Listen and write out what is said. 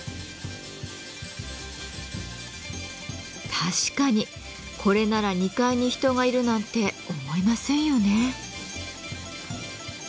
確かにこれなら２階に人がいるなんて思いませんよね。